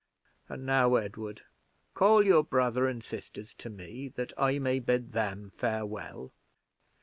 And now, Edward, call your brother and sisters to me, that I may bid them farewell.